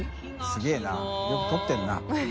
すげぇなよく撮ってるな。